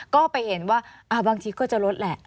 ก็ไปเห็นว่าบางทีก็จะลดแหละ